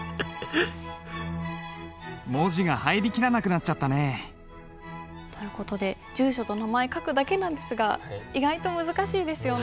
文字が入りきらなくなっちゃったね。という事で住所と名前書くだけなんですが意外と難しいですよね。